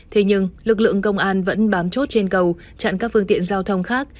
thế nhưng lực lượng công an vẫn bám chốt trên cầu chặn các phương tiện giao thông khác